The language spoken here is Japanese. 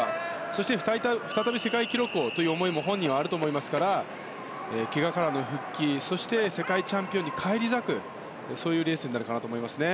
そして、再び世界記録をという思いも本人はあると思いますからけがからの復帰、そして世界チャンピオンに返り咲くそういうレースになるかなと思いますね。